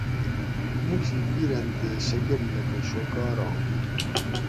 مُک شی بِرنتے شکۤل لکۤہ شوکارہ